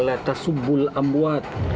jangan kau celah jenazah